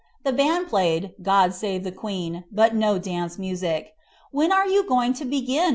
The band played "God Save the Queen;" but no dance music. "'When are you going to begin?"